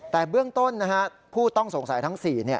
แต่เบื้องต้นนะครับผู้ต้องสงสัยทั้ง๔เนี่ย